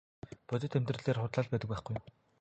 Бодит амьдрал дээр худлаа л байдаг байхгүй юу.